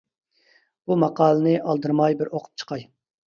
بۇ ماقالىنى ئالدىرىماي بىر ئوقۇپ چىقاي!